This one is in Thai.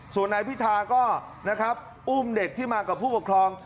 ส่วนนายพิธาก็นะครับอุ้มเด็กที่มากับผู้ปกครอง